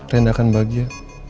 rena akan bahagia